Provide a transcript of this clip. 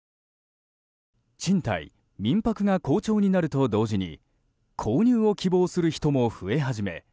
賃貸・民泊が好調になると同時に購入を希望する人も増え始め